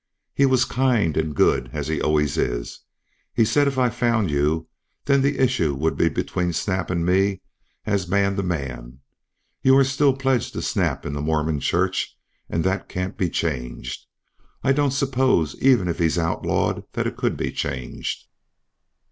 "He was kind and good as he always is. He said if I found you, then the issue would be between Snap and me, as man to man. You are still pledged to Snap in the Mormon Church and that can't be changed. I don't suppose even if he's outlawed that it could be changed."